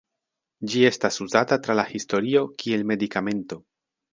Ĝi estas uzata tra la historio kiel medikamento.